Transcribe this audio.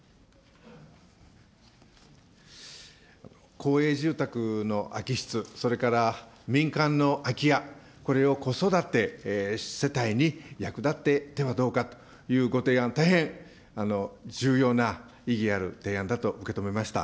公営住宅の空き室、それから民間の空き家、これを子育て世帯に役立ててはどうかというご提案、大変重要な意義ある提案だと受け止めました。